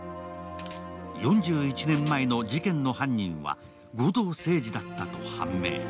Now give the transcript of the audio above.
４１年前の事件の犯人は護道清二だったと判明。